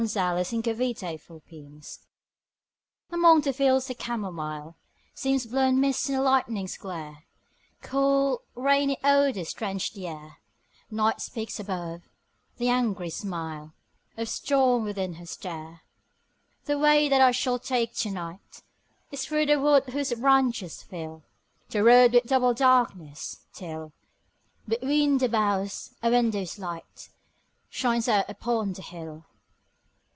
THE WINDOW ON THE HILL Among the fields the camomile Seems blown mist in the lightning's glare: Cool, rainy odors drench the air; Night speaks above; the angry smile Of storm within her stare. The way that I shall take to night Is through the wood whose branches fill The road with double darkness, till, Between the boughs, a window's light Shines out upon the hill.